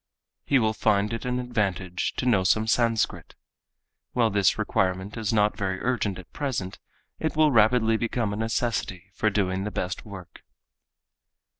He will find it an advantage to know some Sanskrit. While this requirement is not very urgent at present, it will rapidly become a necessity for doing the best work.